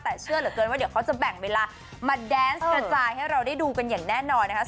แต่เกินว่าเดี๋ยวเค้าจะแบ่งเวลามาแดนส์กระจายให้เราได้ดูกันอย่างแน่นอนนะครับ